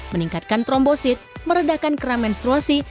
meningkatkan trombosit meredakan keram menstruasi